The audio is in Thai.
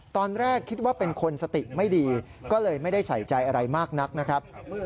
ตอนแรกคิดว่าเป็นคนสติไม่ดีก็เลยไม่ได้ใส่ใจอะไรมากนักนะครับ